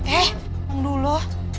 eh yang dulu